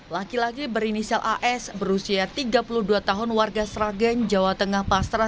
laki laki berinisial as berusia tiga puluh dua tahun warga sragen jawa tengah pasrah